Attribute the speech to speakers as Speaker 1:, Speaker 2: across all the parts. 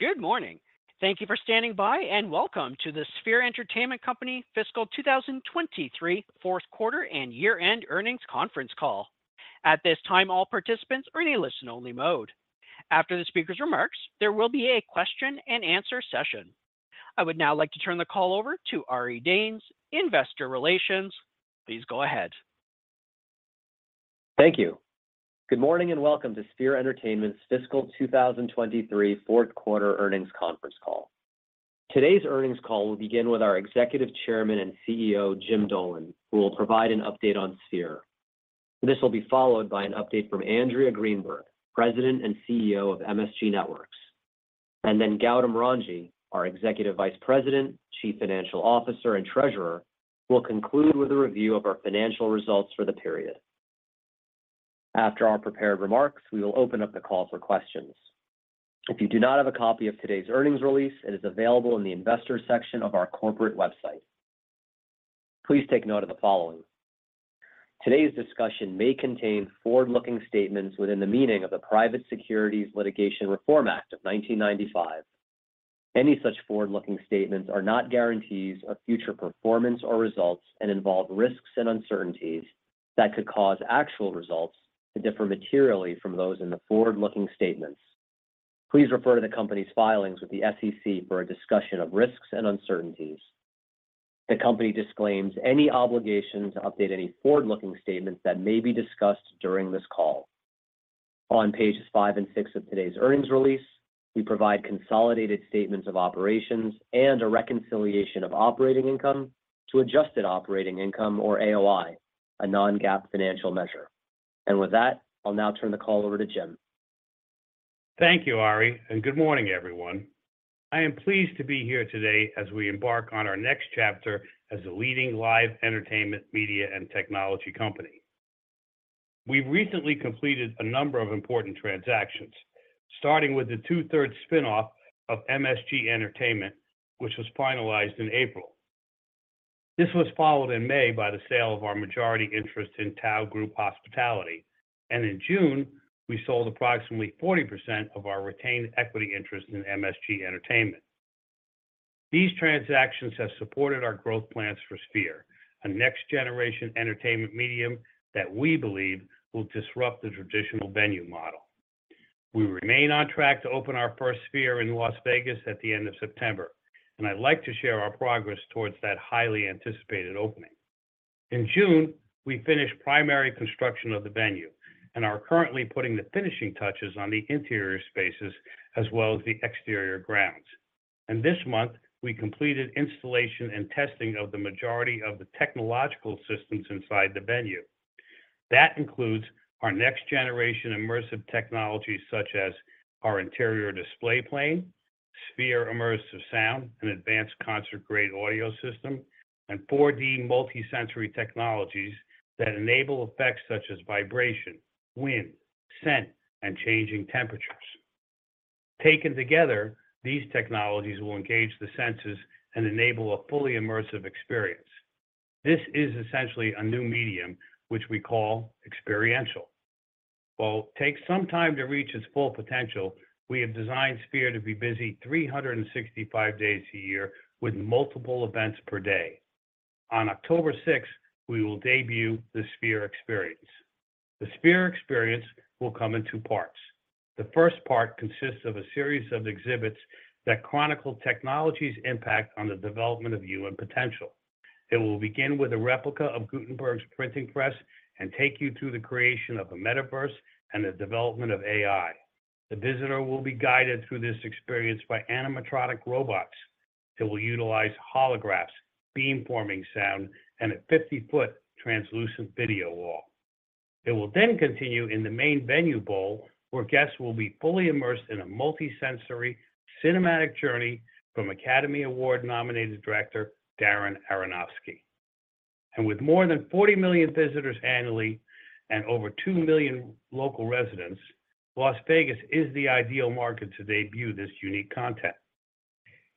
Speaker 1: Good morning! Thank you for standing by, and welcome to the Sphere Entertainment Co. Fiscal 2023 fourth quarter and year-end earnings conference call. At this time, all participants are in a listen-only mode. After the speaker's remarks, there will be a question and answer session. I would now like to turn the call over to Ari Danes, Investor Relations. Please go ahead.
Speaker 2: Thank you. Good morning, and welcome to Sphere Entertainment's Fiscal 2023 fourth quarter earnings conference call. Today's earnings call will begin with our Executive Chairman and CEO, Jim Dolan, who will provide an update on Sphere. This will be followed by an update from Andrea Greenberg, President and CEO of MSG Networks. Then Gautam Ranji, our Executive Vice President, Chief Financial Officer, and Treasurer, will conclude with a review of our financial results for the period. After our prepared remarks, we will open up the call for questions. If you do not have a copy of today's earnings release, it is available in the Investors section of our corporate website. Please take note of the following. Today's discussion may contain forward-looking statements within the meaning of the Private Securities Litigation Reform Act of 1995. Any such forward-looking statements are not guarantees of future performance or results and involve risks and uncertainties that could cause actual results to differ materially from those in the forward-looking statements. Please refer to the company's filings with the SEC for a discussion of risks and uncertainties. The company disclaims any obligation to update any forward-looking statements that may be discussed during this call. On pages five and six of today's earnings release, we provide consolidated statements of operations and a reconciliation of operating income to adjusted operating income or AOI, a non-GAAP financial measure. With that, I'll now turn the call over to Jim.
Speaker 3: Thank you, Ari. Good morning, everyone. I am pleased to be here today as we embark on our next chapter as a leading live entertainment, media, and technology company. We've recently completed a number of important transactions, starting with the two-third spinoff of MSG Entertainment, which was finalized in April. This was followed in May by the sale of our majority interest in Tao Group Hospitality, and in June, we sold approximately 40% of our retained equity interest in MSG Entertainment. These transactions have supported our growth plans for Sphere, a next-generation entertainment medium that we believe will disrupt the traditional venue model. We remain on track to open our first Sphere in Las Vegas at the end of September, and I'd like to share our progress towards that highly anticipated opening. In June, we finished primary construction of the venue and are currently putting the finishing touches on the interior spaces as well as the exterior grounds. This month, we completed installation and testing of the majority of the technological systems inside the venue. That includes our next-generation immersive technologies, such as our interior display plane, Sphere Immersive Sound, an advanced concert-grade audio system, and 4D multisensory technologies that enable effects such as vibration, wind, scent, and changing temperatures. Taken together, these technologies will engage the senses and enable a fully immersive experience. This is essentially a new medium, which we call experiential. While it takes some time to reach its full potential, we have designed Sphere to be busy 365 days a year with multiple events per day. On October 6, we will debut The Sphere Experience. The Sphere Experience will come in two parts. The first part consists of a series of exhibits that chronicle technology's impact on the development of human potential. It will begin with a replica of Gutenberg's printing press and take you through the creation of the metaverse and the development of AI. The visitor will be guided through this experience by animatronic robots that will utilize holograms, beamforming sound, and a 50-foot translucent video wall. It will then continue in the main venue bowl, where guests will be fully immersed in a multisensory cinematic journey from Academy Award-nominated director Darren Aronofsky. With more than 40 million visitors annually and over two million local residents, Las Vegas is the ideal market to debut this unique content.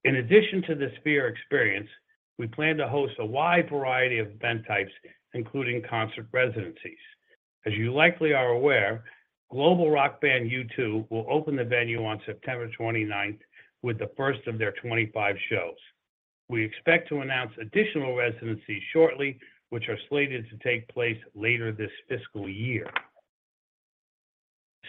Speaker 3: In addition to The Sphere Experience, we plan to host a wide variety of event types, including concert residencies. As you likely are aware, global rock band U2 will open the venue on September 29th with the first of their 25 shows. We expect to announce additional residencies shortly, which are slated to take place later this fiscal year.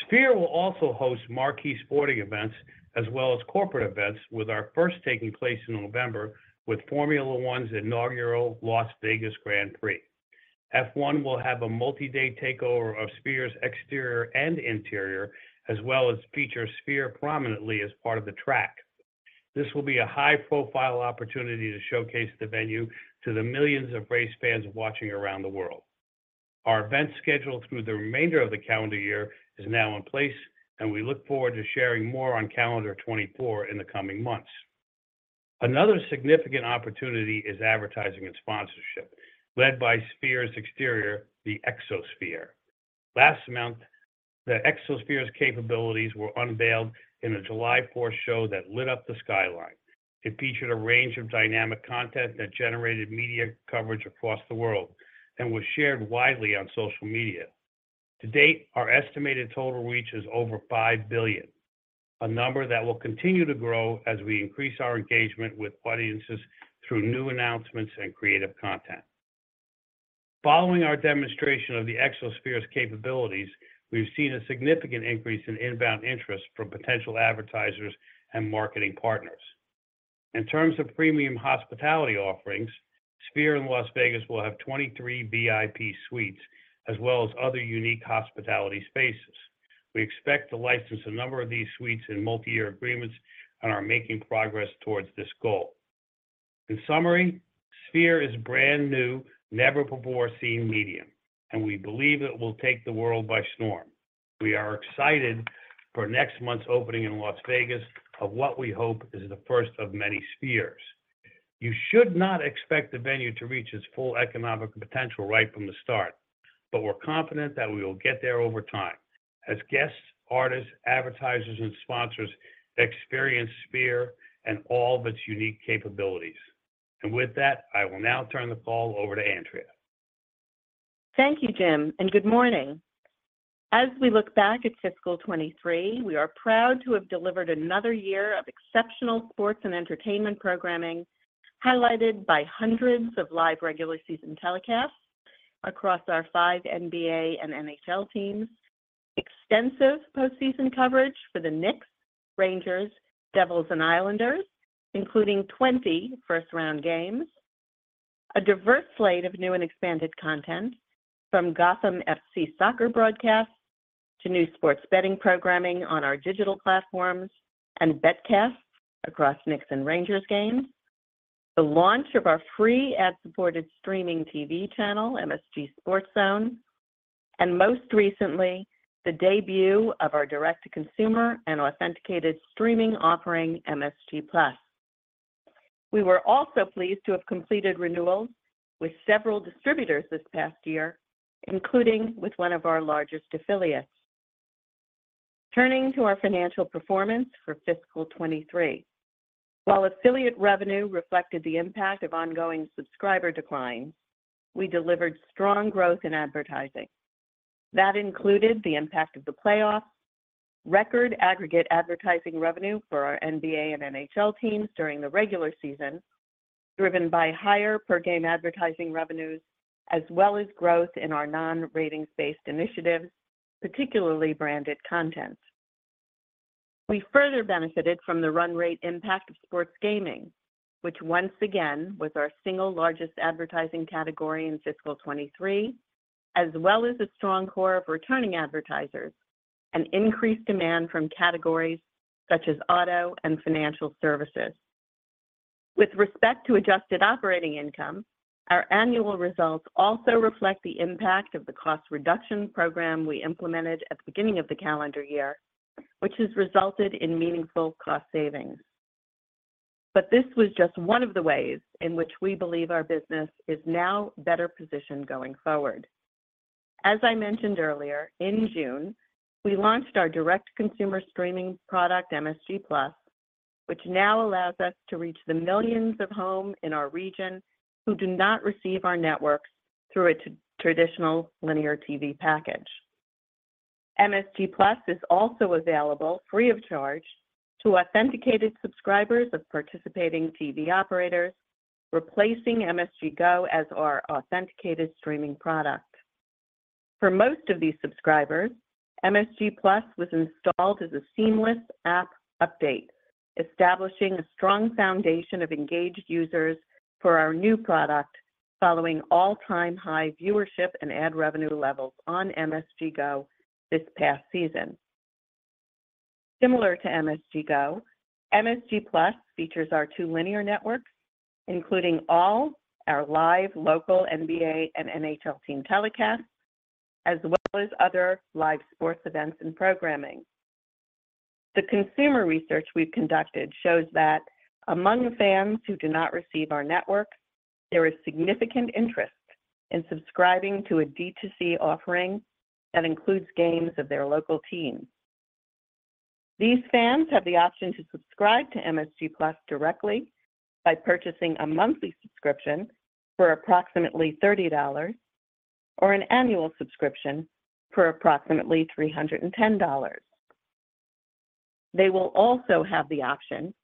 Speaker 3: Sphere will also host marquee sporting events as well as corporate events, with our first taking place in November with Formula One's inaugural Las Vegas Grand Prix. F1 will have a multi-day takeover of Sphere's exterior and interior, as well as feature Sphere prominently as part of the track. This will be a high-profile opportunity to showcase the venue to the millions of race fans watching around the world. Our event schedule through the remainder of the calendar year is now in place. We look forward to sharing more on calendar 2024 in the coming months. Another significant opportunity is advertising and sponsorship, led by Sphere's exterior, the Exosphere. Last month, the Exosphere's capabilities were unveiled in a July 4th show that lit up the skyline. It featured a range of dynamic content that generated media coverage across the world and was shared widely on social media. To date, our estimated total reach is over five billion, a number that will continue to grow as we increase our engagement with audiences through new announcements and creative content. Following our demonstration of the Exosphere's capabilities, we've seen a significant increase in inbound interest from potential advertisers and marketing partners. In terms of premium hospitality offerings, Sphere in Las Vegas will have 23 VIP suites, as well as other unique hospitality spaces. We expect to license a number of these suites in multi-year agreements and are making progress towards this goal. In summary, Sphere is a brand-new, never-before-seen medium, and we believe it will take the world by storm. We are excited for next month's opening in Las Vegas of what we hope is the first of many Spheres. You should not expect the venue to reach its full economic potential right from the start, but we're confident that we will get there over time as guests, artists, advertisers, and sponsors experience Sphere and all of its unique capabilities. With that, I will now turn the call over to Andrea.
Speaker 4: Thank you, Jim. Good morning. As we look back at fiscal 2023, we are proud to have delivered another year of exceptional sports and entertainment programming, highlighted by hundreds of live regular season telecasts across our five NBA and NHL teams, extensive postseason coverage for the Knicks, Rangers, Devils, and Islanders, including 20 first-round games, a diverse slate of new and expanded content from Gotham FC soccer broadcasts to new sports betting programming on our digital platforms and betCasts across Knicks and Rangers games, the launch of our free ad-supported streaming TV channel, MSG SportsZone, and most recently, the debut of our direct-to-consumer and authenticated streaming offering, MSG+. We were also pleased to have completed renewals with several distributors this past year, including with one of our largest affiliates. Turning to our financial performance for fiscal 2023. While affiliate revenue reflected the impact of ongoing subscriber declines, we delivered strong growth in advertising. That included the impact of the playoffs, record aggregate advertising revenue for our NBA and NHL teams during the regular season, driven by higher per-game advertising revenues, as well as growth in our non-ratings-based initiatives, particularly branded content. We further benefited from the run rate impact of sports gaming, which once again was our single largest advertising category in fiscal 2023, as well as a strong core of returning advertisers and increased demand from categories such as auto and financial services. With respect to adjusted operating income, our annual results also reflect the impact of the cost reduction program we implemented at the beginning of the calendar year, which has resulted in meaningful cost savings. This was just one of the ways in which we believe our business is now better positioned going forward. As I mentioned earlier, in June, we launched our direct-to-consumer streaming product, MSG+, which now allows us to reach the millions of homes in our region who do not receive our networks through a traditional linear TV package. MSG+ is also available free of charge to authenticated subscribers of participating TV operators, replacing MSG Go as our authenticated streaming product. For most of these subscribers, MSG+ was installed as a seamless app update, establishing a strong foundation of engaged users for our new product, following all-time high viewership and ad revenue levels on MSG Go this past season. Similar to MSG Go, MSG+ features our two linear networks, including all our live local NBA and NHL team telecasts, as well as other live sports events and programming. The consumer research we've conducted shows that among the fans who do not receive our network, there is significant interest in subscribing to a D2C offering that includes games of their local teams. These fans have the option to subscribe to MSG+ directly by purchasing a monthly subscription for approximately $30 or an annual subscription for approximately $310. They will also have the option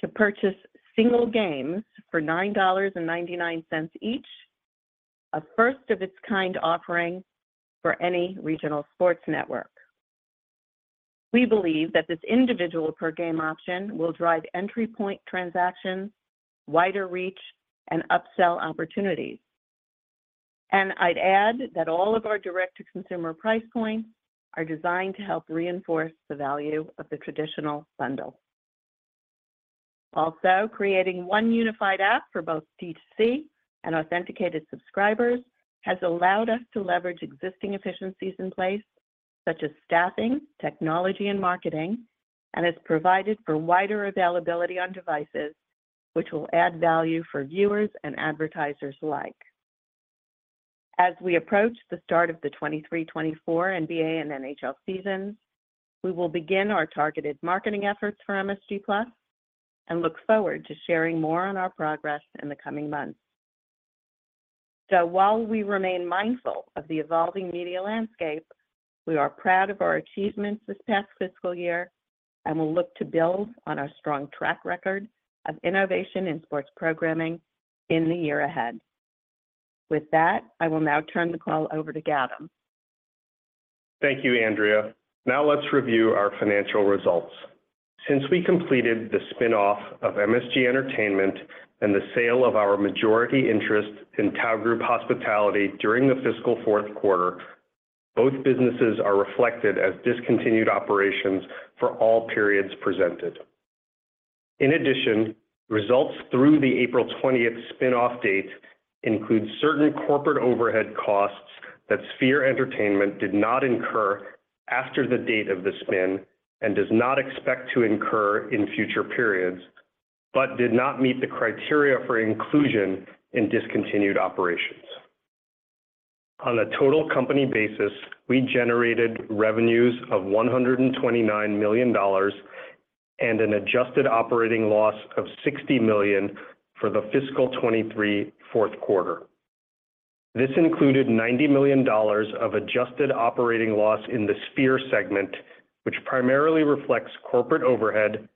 Speaker 4: to purchase single games for $9.99 each, a first-of-its-kind offering for any regional sports network. I'd add that all of our direct-to-consumer price points are designed to help reinforce the value of the traditional bundle. Also, creating one unified app for both D2C and authenticated subscribers has allowed us to leverage existing efficiencies in place such as staffing, technology, and marketing, and has provided for wider availability on devices which will add value for viewers and advertisers alike. As we approach the start of the 2023-2024 NBA and NHL seasons, we will begin our targeted marketing efforts for MSG+ and look forward to sharing more on our progress in the coming months.
Speaker 5: While we remain mindful of the evolving media landscape, we are proud of our achievements this past fiscal year, and we'll look to build on our strong track record of innovation in sports programming in the year ahead. With that, I will now turn the call over to Gautam.
Speaker 6: Thank you, Andrea. Let's review our financial results. Since we completed the spin-off of MSG Entertainment and the sale of our majority interest in Tao Group Hospitality during the fiscal fourth quarter, both businesses are reflected as discontinued operations for all periods presented. Results through the April 20th spin-off date include certain corporate overhead costs that Sphere Entertainment did not incur after the date of the spin and does not expect to incur in future periods, but did not meet the criteria for inclusion in discontinued operations. On a total company basis, we generated revenues of $129 million and an adjusted operating loss of $60 million for the fiscal 2023 fourth quarter. This included $90 million of adjusted operating loss in the Sphere segment, which primarily reflects corporate overhead,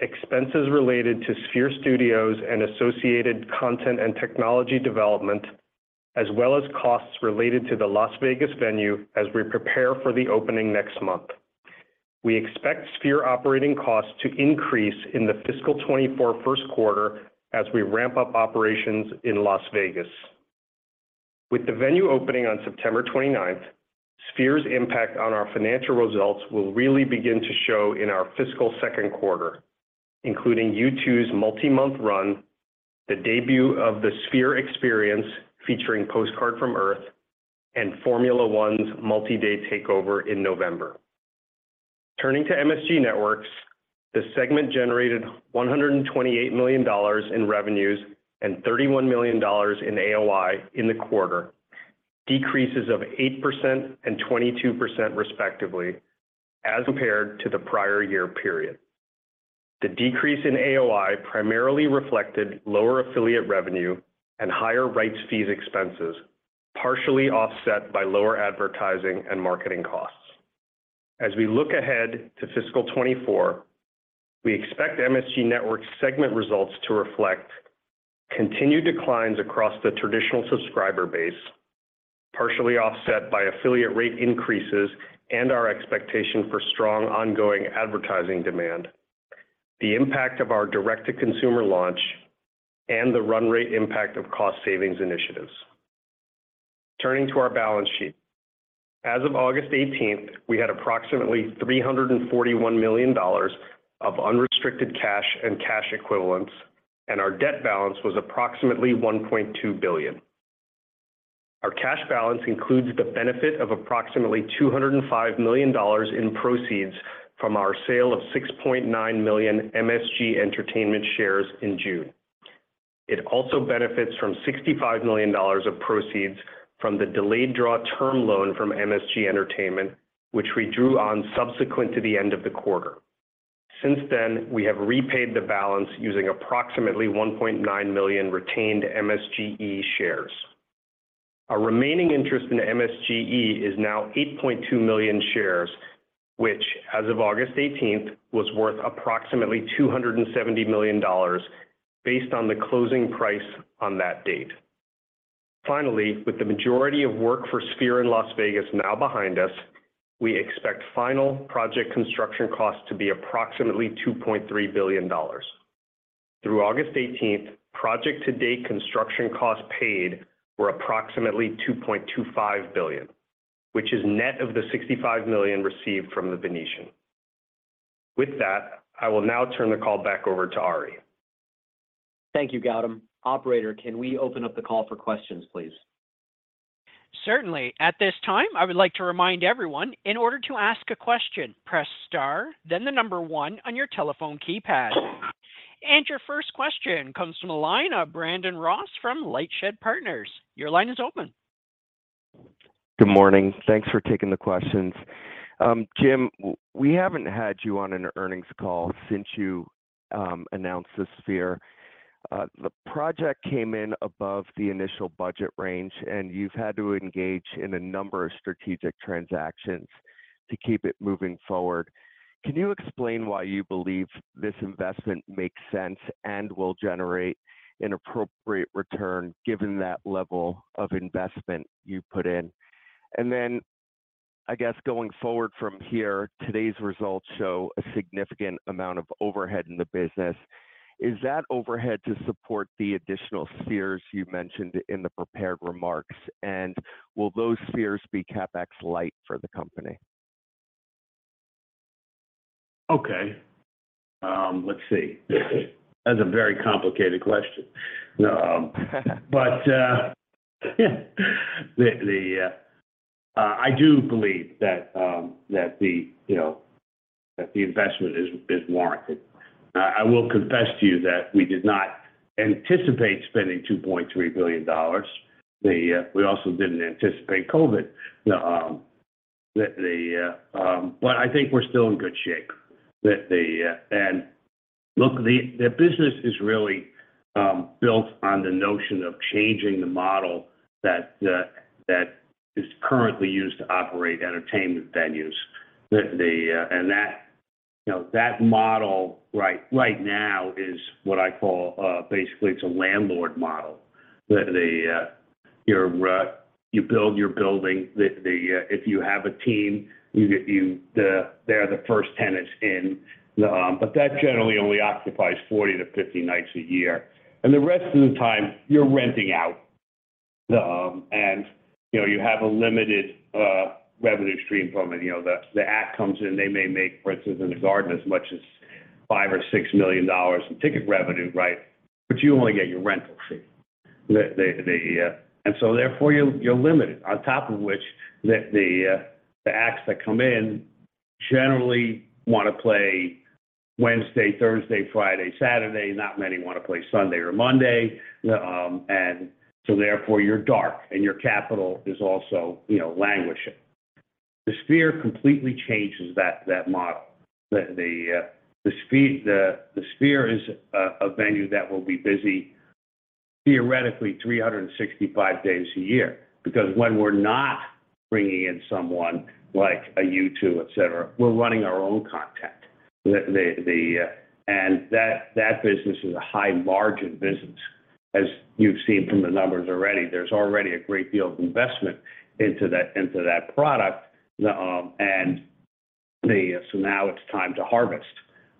Speaker 6: expenses related to Sphere Studios and associated content and technology development, as well as costs related to the Las Vegas venue as we prepare for the opening next month. We expect Sphere operating costs to increase in the fiscal 2024 first quarter as we ramp up operations in Las Vegas. With the venue opening on September 29th, Sphere's impact on our financial results will really begin to show in our fiscal second quarter, including U2's multi-month run, the debut of The Sphere Experience, featuring Postcard from Earth, and Formula One's multi-day takeover in November. Turning to MSG Networks, the segment generated $128 million in revenues and $31 million in AOI in the quarter, decreases of 8% and 22% respectively, as compared to the prior year period. The decrease in AOI primarily reflected lower affiliate revenue and higher rights fees expenses, partially offset by lower advertising and marketing costs. As we look ahead to fiscal 2024, we expect MSG Networks segment results to reflect continued declines across the traditional subscriber base, partially offset by affiliate rate increases and our expectation for strong ongoing advertising demand, the impact of our direct-to-consumer launch, and the run rate impact of cost savings initiatives. Turning to our balance sheet. As of August 18th, we had approximately $341 million of unrestricted cash and cash equivalents, and our debt balance was approximately $1.2 billion. Our cash balance includes the benefit of approximately $205 million in proceeds from our sale of 6.9 million MSG Entertainment shares in June. It also benefits from $65 million of proceeds from the delayed draw term loan from MSG Entertainment, which we drew on subsequent to the end of the quarter. Since then, we have repaid the balance using approximately 1.9 million retained MSGE shares. Our remaining interest in MSGE is now 8.2 million shares, which, as of August 18th, was worth approximately $270 million, based on the closing price on that date. Finally, with the majority of work for Sphere in Las Vegas now behind us, we expect final project construction costs to be approximately $2.3 billion. Through August 18th, project-to-date construction costs paid were approximately $2.25 billion, which is net of the $65 million received from The Venetian. With that, I will now turn the call back over to Ari.
Speaker 2: Thank you, Gautam. Operator, can we open up the call for questions, please?
Speaker 1: Certainly. At this time, I would like to remind everyone, in order to ask a question, press star, then the number one on your telephone keypad. Your first question comes from the line of Brandon Ross from LightShed Partners. Your line is open.
Speaker 7: Good morning. Thanks for taking the questions. Jim, we haven't had you on an earnings call since you announced the Sphere. The project came in above the initial budget range, and you've had to engage in a number of strategic transactions to keep it moving forward. Can you explain why you believe this investment makes sense and will generate an appropriate return, given that level of investment you put in? Then, I guess, going forward from here, today's results show a significant amount of overhead in the business. Is that overhead to support the additional Spheres you mentioned in the prepared remarks? Will those Spheres be CapEx light for the company?
Speaker 5: Okay, let's see. That's a very complicated question. The, the, I do believe that the, you know, that the investment is, is warranted. I, I will confess to you that we did not anticipate spending $2.3 billion. The, we also didn't anticipate COVID. The, the, the. I think we're still in good shape. The, the, and....
Speaker 3: Look, the business is really built on the notion of changing the model that is currently used to operate entertainment venues. That, you know, that model right, right now is what I call basically it's a landlord model. You build your building. If you have a team, you get you they're the first tenants in the... That generally only occupies 40 to 50 nights a year, and the rest of the time you're renting out. You know, you have a limited revenue stream from it. You know, the act comes in, they may make, for instance, in the Garden, as much as $5 million or $6 million in ticket revenue, right? You only get your rental fee. Therefore, you, you're limited. On top of which, the acts that come in generally want to play Wednesday, Thursday, Friday, Saturday. Not many want to play Sunday or Monday. Therefore, you're dark, and your capital is also, you know, languishing. The Sphere completely changes that, that model. The Sphere is a venue that will be busy, theoretically, 365 days a year. Because when we're not bringing in someone like a U2, et cetera, we're running our own content. That, that business is a high margin business. As you've seen from the numbers already, there's already a great deal of investment into that, into that product. Now it's time to harvest.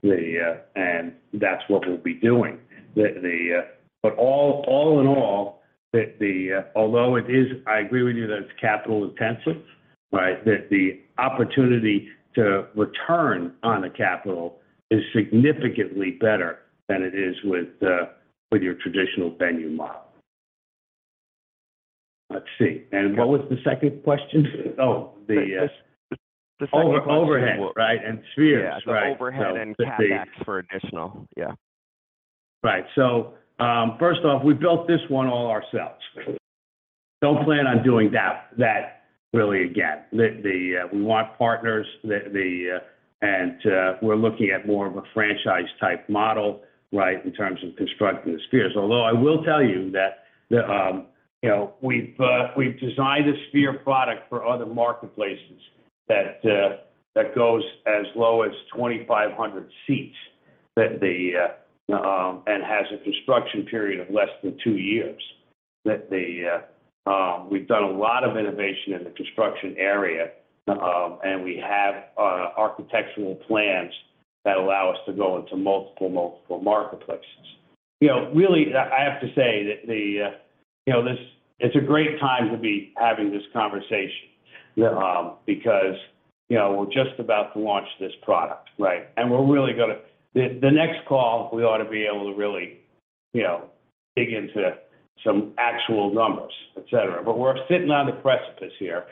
Speaker 3: That's what we'll be doing. But all in all, although it is. I agree with you that it's capital intensive, right? That the opportunity to return on a capital is significantly better than it is with your traditional venue model. Let's see. What was the second question? Oh, the...
Speaker 7: The second-
Speaker 3: Over-overhead, right, and spheres.
Speaker 7: Yeah, the overhead and CapEx for additional. Yeah.
Speaker 3: Right. First off, we built this one all ourselves. Don't plan on doing that, that really, again. We want partners. We're looking at more of a franchise-type model, right, in terms of constructing the Spheres. Although I will tell you that the, you know, we've designed a Sphere product for other marketplaces that goes as low as 2,500 seats. And has a construction period of less than two years. We've done a lot of innovation in the construction area, and we have architectural plans that allow us to go into multiple, multiple marketplaces. You know, really, I, I have to say that the, you know, this, it's a great time to be having this conversation. Because, you know, we're just about to launch this product, right? We're really gonna the, the next call, we ought to be able to really, you know, dig into some actual numbers, et cetera. We're sitting on the precipice here.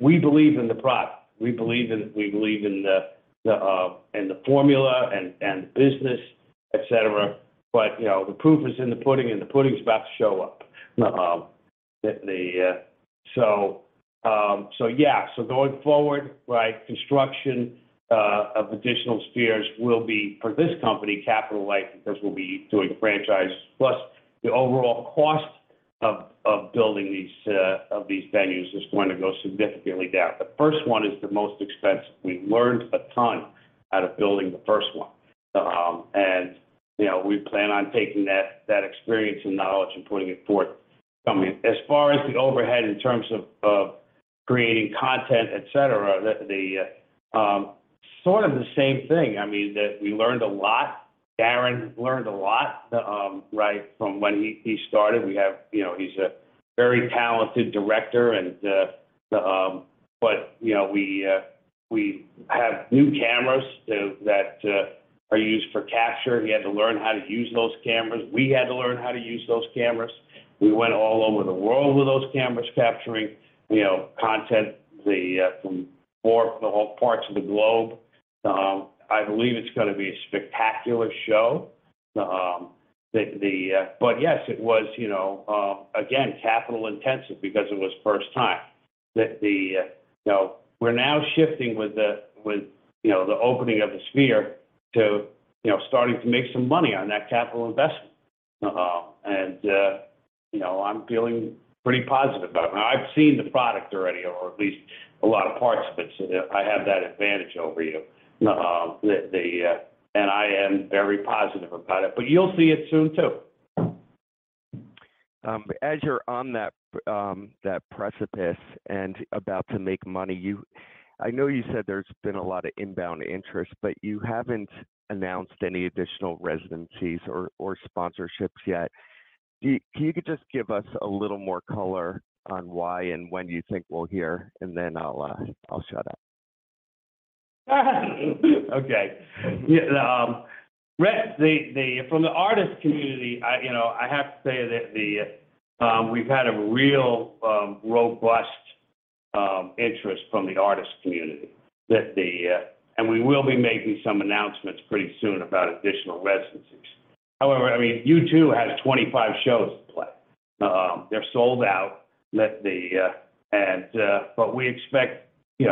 Speaker 3: We believe in the product. We believe in, we believe in the, the, in the formula and, and the business, et cetera. You know, the proof is in the pudding, and the pudding is about to show up. Yeah. Going forward, right, construction of additional Spheres will be, for this company, capital light, because we'll be doing franchise. The overall cost of, of building these, of these venues is going to go significantly down. The first one is the most expensive. We learned a ton out of building the first one. You know, we plan on taking that, that experience and knowledge and putting it forth. I mean, as far as the overhead in terms of, of creating content, et cetera, the, the, sort of the same thing. I mean, that we learned a lot. Darren learned a lot, right from when he, he started. You know, he's a very talented director and, but, you know, we have new cameras to, that, are used for capture. He had to learn how to use those cameras. We had to learn how to use those cameras. We went all over the world with those cameras, capturing, you know, content, the, from more parts of the globe. I believe it's gonna be a spectacular show. The, the. Yes, it was, you know, again, capital intensive because it was first time. That the, you know, we're now shifting with the, with, you know, the opening of the Sphere to, you know, starting to make some money on that capital investment. You know, I'm feeling pretty positive about it. I've seen the product already, or at least a lot of parts of it, so I have that advantage over you. The, the, and I am very positive about it, but you'll see it soon, too.
Speaker 7: As you're on that, that precipice and about to make money, you I know you said there's been a lot of inbound interest, you haven't announced any additional residencies or sponsorships yet. Can you just give us a little more color on why and when you think we'll hear? Then I'll, I'll shut up.
Speaker 3: Okay. Yeah, from the artist community, I, you know, I have to say that we've had a real robust interest from the artist community. That the. We will be making some announcements pretty soon about additional residencies. However, I mean, U2 has 25 shows to play. They're sold out, let the. We expect, you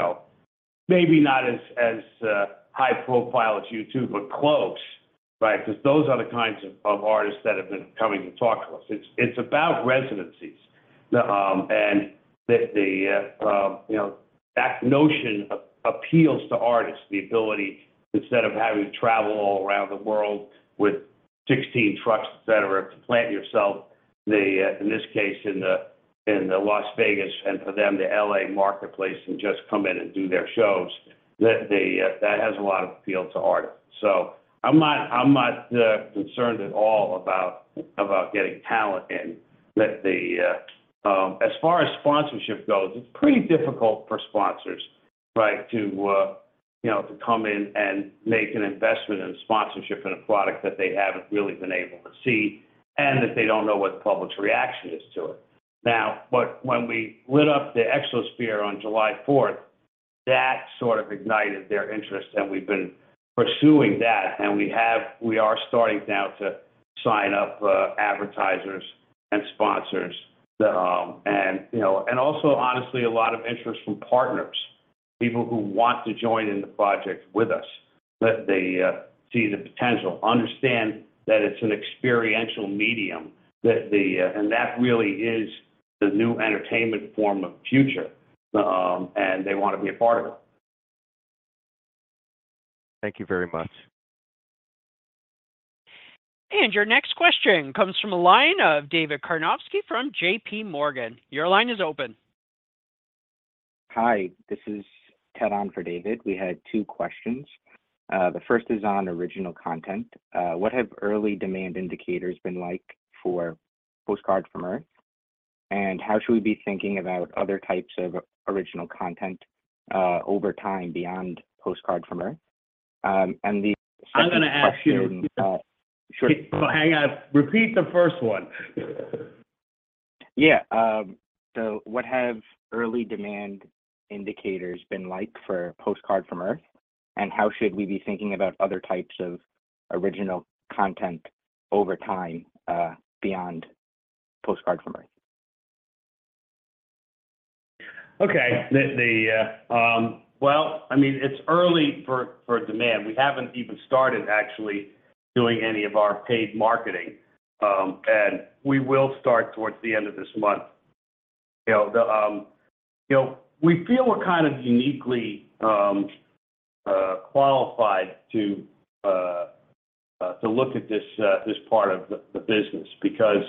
Speaker 3: know, maybe not as, as high profile as U2, but close, right? Because those are the kinds of, of artists that have been coming to talk to us. It's, it's about residencies. The, you know, that notion appeals to artists, the ability, instead of having to travel all around the world with 16 trucks, et cetera, to plant yourself, in this case, in the, in the Las Vegas, and for them, the L.A. marketplace, and just come in and do their shows, that has a lot of appeal to artists. I'm not, I'm not concerned at all about, about getting talent in. Let the... As far as sponsorship goes, it's pretty difficult for sponsors, right, to, you know, to come in and make an investment in a sponsorship in a product that they haven't really been able to see, and that they don't know what the public's reaction is to it. When we lit up the Exosphere on July 4th, that sort of ignited their interest, and we've been pursuing that, and we are starting now to sign up advertisers and sponsors. You know, and also, honestly, a lot of interest from partners, people who want to join in the project with us, that they see the potential, understand that it's an experiential medium, that the. That really is the new entertainment form of the future, and they want to be a part of it.
Speaker 5: Thank you very much.
Speaker 1: Your next question comes from a line of David Karnovsky from J.P. Morgan. Your line is open.
Speaker 8: Hi, this is Ted on for David. We had two questions. The first is on original content. What have early demand indicators been like for Postcard from Earth? How should we be thinking about other types of original content over time beyond Postcard from Earth? The second question,
Speaker 3: I'm gonna ask you.
Speaker 8: Sure.
Speaker 3: Hang on. Repeat the first one.
Speaker 8: Yeah, what have early demand indicators been like for Postcard from Earth? How should we be thinking about other types of original content over time, beyond Postcard from Earth?
Speaker 3: Okay. Well, I mean, it's early for, for demand. We haven't even started actually doing any of our paid marketing. We will start towards the end of this month. You know, the, you know, we feel we're kind of uniquely qualified to look at this part of the business because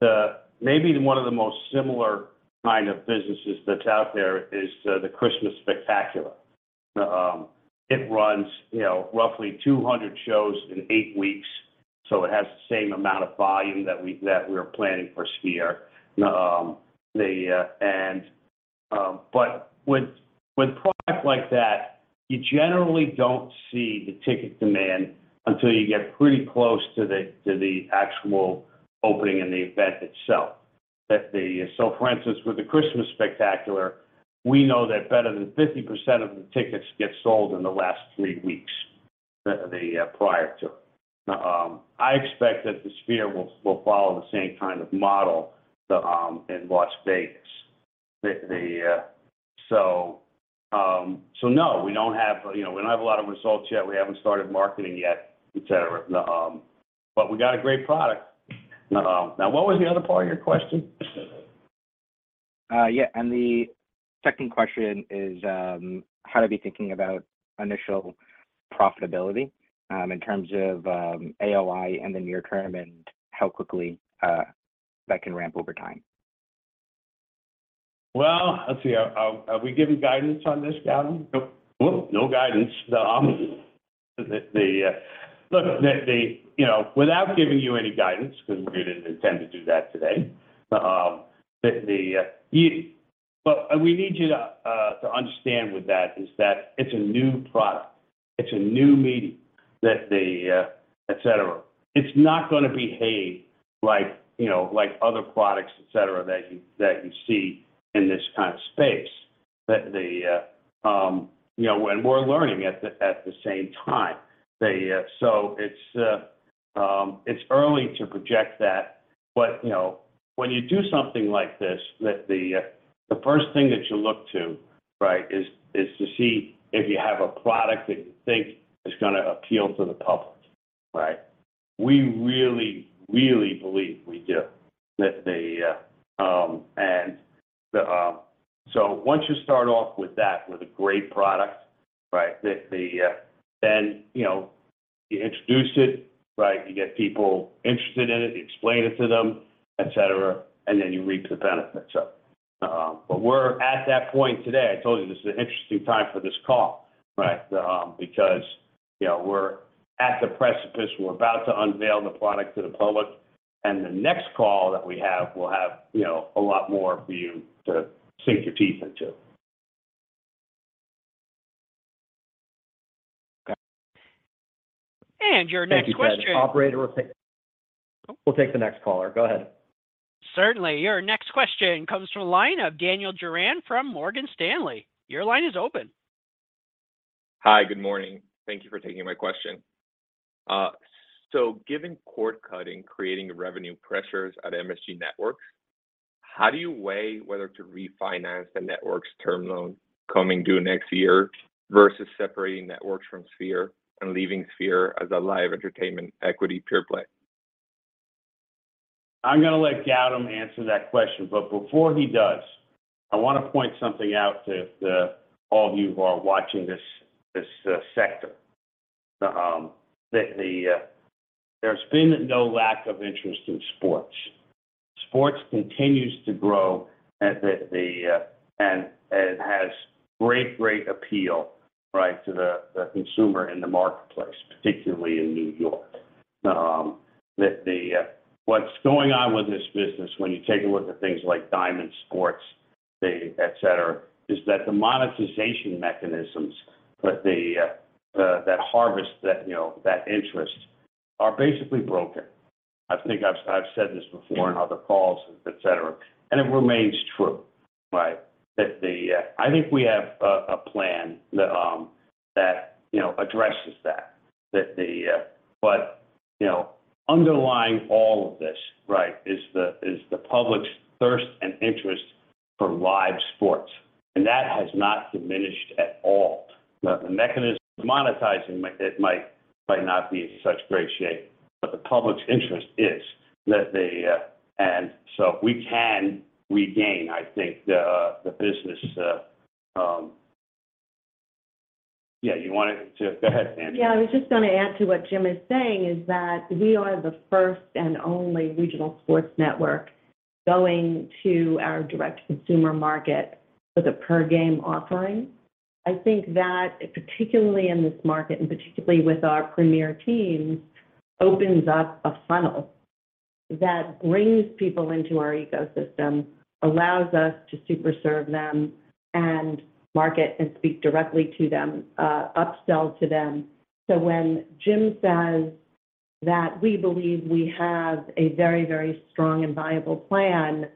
Speaker 3: the maybe one of the most similar kind of businesses that's out there is the Christmas Spectacular. It runs, you know, roughly 200 shows in 8 weeks, so it has the same amount of volume that we, that we're planning for Sphere. But with, with products like that, you generally don't see the ticket demand until you get pretty close to the, to the actual opening and the event itself. That the. For instance, with the Christmas Spectacular, we know that better than 50% of the tickets get sold in the last three weeks, the prior to. I expect that the Sphere will, will follow the same kind of model, the in Las Vegas. No, we don't have, you know, we don't have a lot of results yet. We haven't started marketing yet, et cetera. We got a great product. Now, what was the other part of your question?
Speaker 8: Yeah, the second question is, how to be thinking about initial profitability, in terms of AOI in the near term, and how quickly that can ramp over time?
Speaker 3: Well, let's see, are we giving guidance on this, Gavin?
Speaker 5: Nope.
Speaker 3: Well, no guidance. Look, you know, without giving you any guidance, because we didn't intend to do that today, what we need you to understand with that is that it's a new product. It's a new medium that et cetera. It's not gonna behave like, you know, like other products, et cetera, that you, that you see in this kind of space. You know, and we're learning at the same time. It's early to project that, but, you know, when you do something like this, the first thing that you look to, right, is to see if you have a product that you think is gonna appeal to the public, right? We really, really believe we do. Once you start off with that, with a great product, right, the, the, then, you know, you introduce it, right? You get people interested in it, you explain it to them, et cetera, and then you reap the benefits of it. We're at that point today. I told you, this is an interesting time for this call, right? You know, we're at the precipice. We're about to unveil the product to the public, and the next call that we have, we'll have, you know, a lot more for you to sink your teeth into.
Speaker 8: Okay.
Speaker 1: Your next question-
Speaker 3: Thank you, Ted. Operator, we'll take the next caller. Go ahead.
Speaker 1: Certainly. Your next question comes from a line of Daniel Duran from Morgan Stanley. Your line is open.
Speaker 9: Hi, good morning. Thank you for taking my question. Given cord cutting, creating revenue pressures at MSG Networks, how do you weigh whether to refinance the network's term loan coming due next year versus separating Networks from Sphere and leaving Sphere as a live entertainment equity pure play?
Speaker 3: I'm gonna let Gautam answer that question, before he does, I want to point something out to all of you who are watching this, this sector. That the, there's been no lack of interest in sports. Sports continues to grow at the, the... Has great, great appeal, right, to the, the consumer in the marketplace, particularly in New York. That the, what's going on with this business when you take a look at things like Diamond Sports, et cetera, is that the monetization mechanisms that the, the, that harvest, that, you know, that interest are basically broken. I think I've, I've said this before on other calls, et cetera, it remains true, right? That the, I think we have a, a plan that, that, you know, addresses that. That the... You know, underlying all of this, right, is the, is the public's thirst and interest for live sports, and that has not diminished at all. The, the mechanism of monetizing it might, might not be in such great shape, but the public's interest is. That the... We can regain, I think, the business. Yeah, you wanted to-- Go ahead, Sandra.
Speaker 4: Yeah, I was just gonna add to what Jim is saying, is that we are the first and only regional sports network going to our direct consumer market with a per-game offering. I think that, particularly in this market and particularly with our premier teams, opens up a funnel that brings people into our ecosystem, allows us to super serve them and market and speak directly to them, upsell to them. When Jim says that we believe we have a very, very strong and viable plan,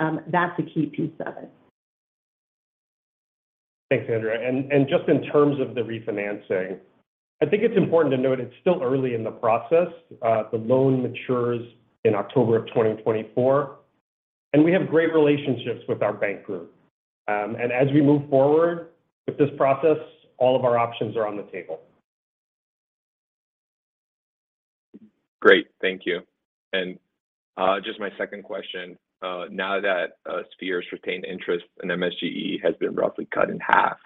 Speaker 4: that's a key piece of it.
Speaker 6: Thanks, Andrea. Just in terms of the refinancing, I think it's important to note it's still early in the process. The loan matures in October of 2024, and we have great relationships with our bank group. As we move forward with this process, all of our options are on the table.
Speaker 9: Great. Thank you. Just my second question. Now that Sphere's retained interest in MSGE has been roughly cut in half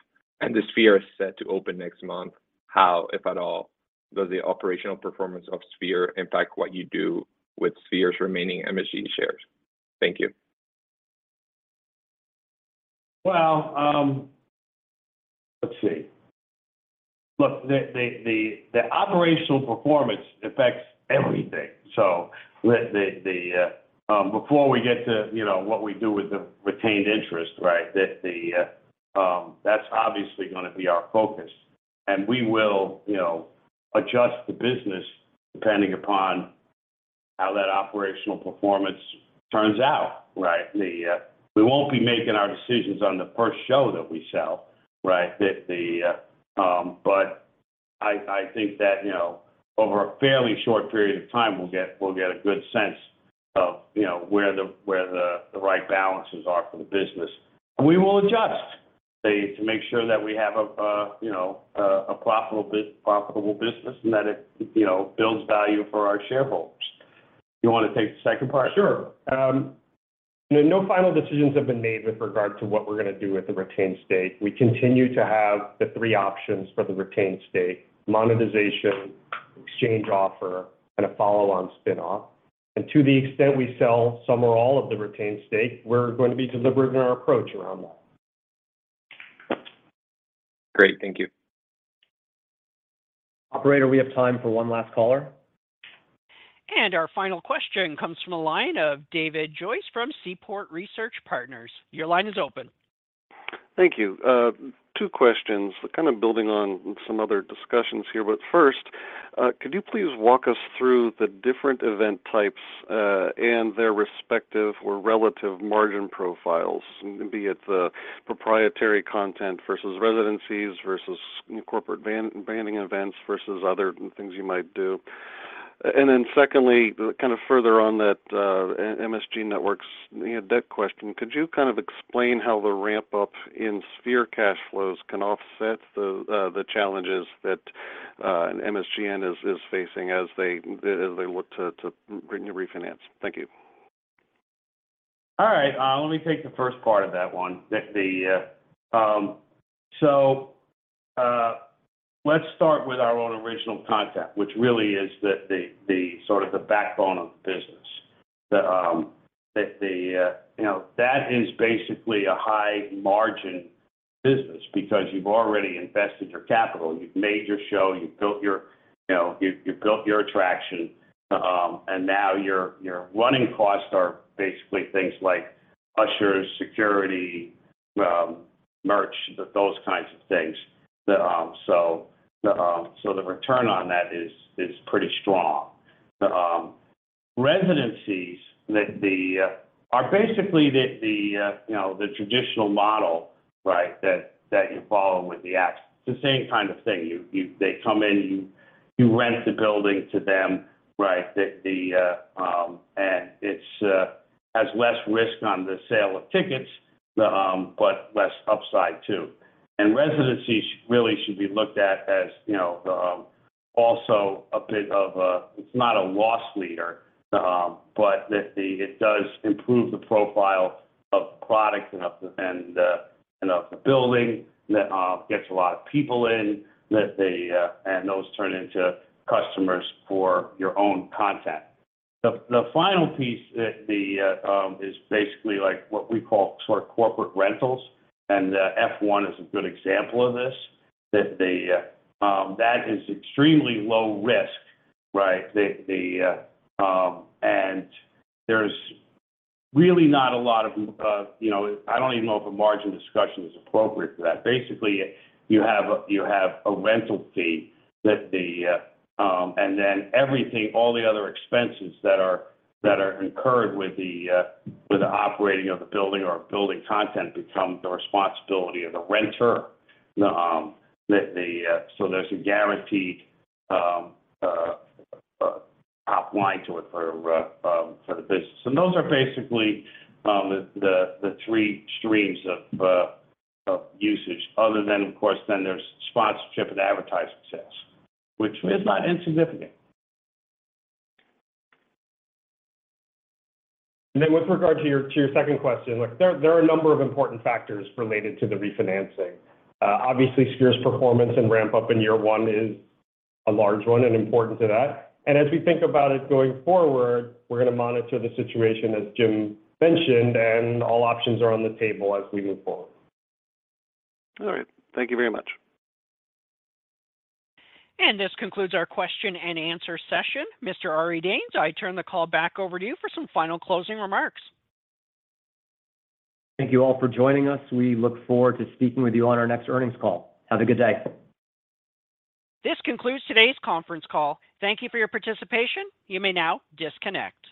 Speaker 9: and the Sphere is set to open next month, how, if at all, does the operational performance of Sphere impact what you do with Sphere's remaining MSGE shares? Thank you.
Speaker 3: Let's see. Look, the, the, the, the operational performance affects everything. The, the, the, before we get to, you know, what we do with the retained interest, right? That the, that's obviously gonna be our focus, and we will, you know, adjust the business depending upon how that operational performance turns out, right? The, we won't be making our decisions on the first show that we sell, right? That the, I, I think that, you know, over a fairly short period of time, we'll get, we'll get a good sense of, you know, where the, where the, the right balances are for the business. We will adjust, to, to make sure that we have a, you know, a, a profitable bus- profitable business and that it, you know, builds value for our shareholders. You want to take the second part?
Speaker 6: Sure. No final decisions have been made with regard to what we're gonna do with the retained stake. We continue to have the three options for the retained stake: monetization, exchange offer, and a follow-on spin-off. To the extent we sell some or all of the retained stake, we're going to be deliberate in our approach around that.
Speaker 9: Great. Thank you.
Speaker 3: Operator, we have time for one last caller.
Speaker 1: Our final question comes from the line of David Joyce from Seaport Research Partners. Your line is open.
Speaker 10: Thank you. Two questions, kind of building on some other discussions here. First, could you please walk us through the different event types, and their respective or relative margin profiles, be it the proprietary content versus residencies versus corporate branding events versus other things you might do? Then secondly, kind of further on that, MSG Networks, debt question, could you kind of explain how the ramp-up in Sphere cash flows can offset the, the challenges that MSGN is, is facing as they, as they look to, to refinance? Thank you.
Speaker 3: All right, let me take the first part of that one. That the, let's start with our own original content, which really is the, the, the sort of the backbone of the business. The, the, the, you know, that is basically a high-margin business because you've already invested your capital, you've made your show, you've built your, you know, you've, you've built your attraction. And now your, your running costs are basically things like ushers, security, merch, those kinds of things. So the return on that is, is pretty strong. Residencies that the, are basically the, the, you know, the traditional model, right? That, that you follow with the acts. It's the same kind of thing. You, they come in, you, you rent the building to them, right? It's has less risk on the sale of tickets, but less upside, too. Residencies really should be looked at as, you know, also a bit of a, it's not a loss leader, but that the, it does improve the profile of the product and of the, and of the building that gets a lot of people in, that they. Those turn into customers for your own content. The final piece that the is basically like what we call sort of corporate rentals, and F1 is a good example of this, that is extremely low risk, right? There's really not a lot of, you know, I don't even know if a margin discussion is appropriate for that. Basically, you have a, you have a rental fee that the, and then everything, all the other expenses that are, that are incurred with the operating of the building or building content become the responsibility of the renter. The, the, the, so there's a guaranteed top line to it for for the business. Those are basically the, the, the three streams of usage, other than, of course, then there's sponsorship and advertising sales, which is not insignificant.
Speaker 6: Then with regard to your, to your second question, look, there are a number of important factors related to the refinancing. obviously, Sphere's performance and ramp-up in year 1 is a large one and important to that. As we think about it going forward, we're going to monitor the situation, as Jim mentioned, and all options are on the table as we move forward.
Speaker 5: All right. Thank you very much.
Speaker 1: This concludes our question and answer session. Mr. Ari Danes, I turn the call back over to you for some final closing remarks.
Speaker 2: Thank you all for joining us. We look forward to speaking with you on our next earnings call. Have a good day.
Speaker 1: This concludes today's conference call. Thank you for your participation. You may now disconnect.